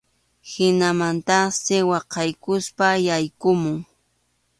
Hinamantaqsi waqaykuspa yaykumun.